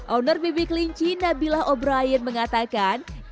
owner bibi kelinci nabilah obrian mengatakan